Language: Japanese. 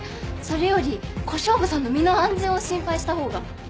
それより小勝負さんの身の安全を心配した方が。